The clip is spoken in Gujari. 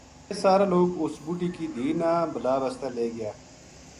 ویہ سارا لوک اس بڈھی کی دھی نا بلا بسطے لے گیا